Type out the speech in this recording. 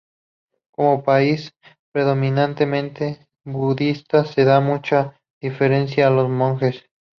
Como país predominantemente budista, se da mucha deferencia a los monjes.